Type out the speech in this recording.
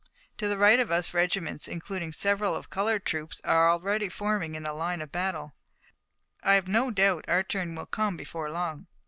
To the right of us, regiments, including several of colored troops, are already forming in line of battle, and I've no doubt our turn will come before long."